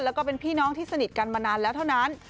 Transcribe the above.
แล้วก็เป็นพี่น้องที่สนิทกันมานานแล้วเท่านั้น